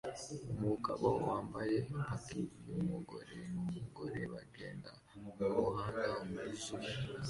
Umugabo wambaye paki yumugore numugore bagenda mumuhanda wuzuye